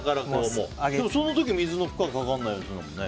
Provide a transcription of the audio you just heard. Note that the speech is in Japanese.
その時、水の負荷がかからないようにするのがね。